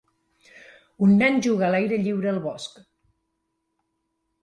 Un nen juga a l'aire lliure al bosc.